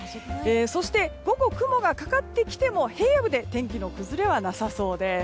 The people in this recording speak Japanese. そして午後、雲がかかってきても平野部では天気の崩れはなさそうです。